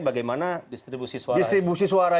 bagaimana distribusi suara